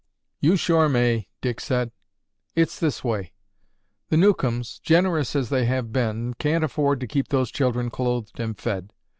"You sure may," Dick said. "It's this way. The Newcombs, generous as they have been, can't afford to keep those children clothed and fed.